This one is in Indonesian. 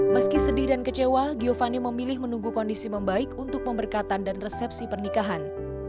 meski sedih dan kecewa giovanni memilih menunggu kondisi membaik untuk pemberkatan dan resepsi pernikahan